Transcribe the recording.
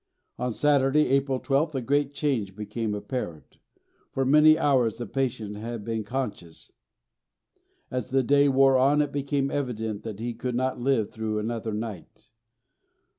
On Saturday, April 12th, a great change became apparent. For many hours the patient had been unconscious. As the day wore on, it became evident that he could not live through another night.